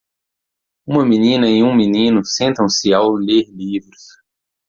Uma menina e um menino sentam-se ao ler livros.